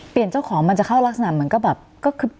เปลี่ยนเจ้าของมันจะเข้ารักษณะเหมือนก็แบบ